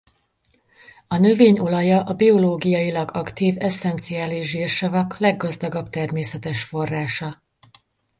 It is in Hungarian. A növény olaja a biológiailag aktív esszenciális zsírsavak leggazdagabb természetes forrása.